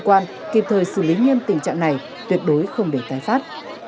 quan kịp thời xử lý nghiêm tình trạng này tuyệt đối không để tái phát